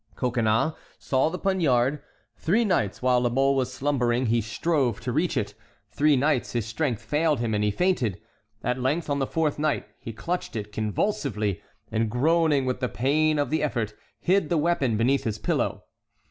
Coconnas saw the poniard; three nights while La Mole was slumbering he strove to reach it; three nights his strength failed him, and he fainted. At length, on the fourth night, he clutched it convulsively, and groaning with the pain of the effort, hid the weapon beneath his pillow.